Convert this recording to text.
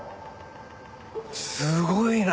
すごいな。